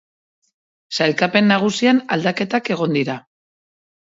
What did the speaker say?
Sailkapen nagusian aldaketak egon dira.